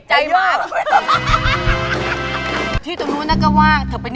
ชิคกี้พาย